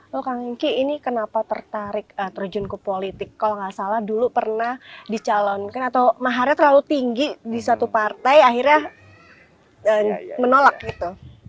loh kang henki ini kenapa tertarik terjun ke politik kalau nggak salah dulu pernah dicalonkan atau maharnya terlalu tinggi di satu partai akhirnya menolak gitu